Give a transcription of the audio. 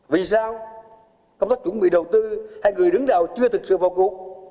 vì sao công tác chuẩn bị đầu tư hay người đứng đầu chưa thực sự vào cuộc